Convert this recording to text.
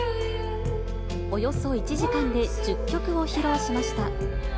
およそ１時間で１０曲を披露しました。